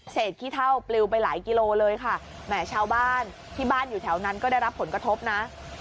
ขี้เท่าปลิวไปหลายกิโลเลยค่ะแหมชาวบ้านที่บ้านอยู่แถวนั้นก็ได้รับผลกระทบนะ